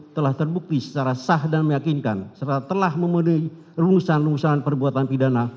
telah terbukti secara sah dan meyakinkan setelah telah memenuhi rungusan rungusan perbuatan pidana